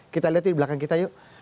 kita lihat di belakang kita yuk